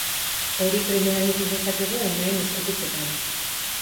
Hori primeran ikus dezakegu umeen eskutitzetan.